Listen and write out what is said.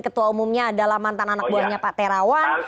ketua umumnya adalah mantan anak buahnya pak terawan